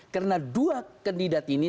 karena dua kandidat ini